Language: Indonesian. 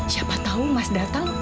siapa tahu mas datang